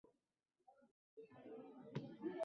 Shunga qarab keyingi jumlalar davom etaveradi.